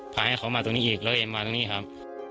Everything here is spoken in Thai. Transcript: พาให้เขามาตรงนี้อีกเลยมาตรงนี้ครับ